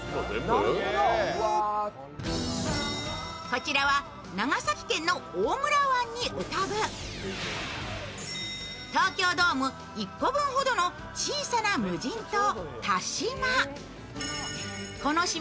こちらは長崎県の大村湾に浮かぶ東京ドーム１個分ほどの小さな無人島、田島。